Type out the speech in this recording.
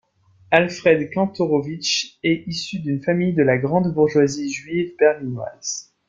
Alfred Kantorowicz est issu d'une famille de la grande bourgeoisie juive berlinoise.